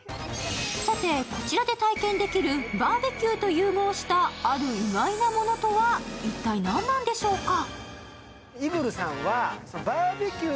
さてこちらで体験できるバーベキューと融合したある意外なものとは一体何なんでしょうか。